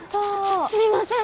すみません！